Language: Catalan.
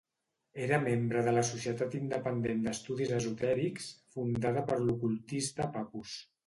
Era membre de la Societat Independent d'Estudis Esotèrics, fundada per l'ocultista Papus.